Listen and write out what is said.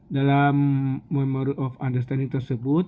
dalam memor of understanding tersebut